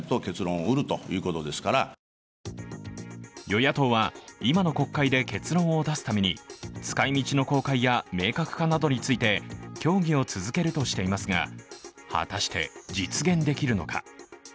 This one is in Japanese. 与野党は、今の国会で結論を出すために使い道の公開や明確化などについて、協議を続けるとしていますが果たして実現できるのか。